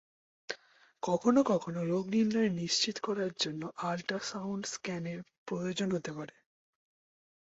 কখনও কখনও রোগনির্ণয় নিশ্চিত করার জন্য আল্ট্রাসাউন্ড স্ক্যানের প্রয়োজন হতে পারে।